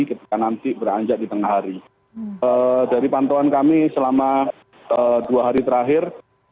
ketika nanti beranjak di tengah hari dari pantauan kami selama dua hari terakhir